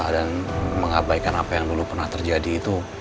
dan mengabaikan apa yang dulu pernah terjadi itu